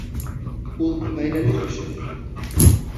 Ул ғаиләле кеше.